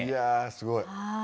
すごい！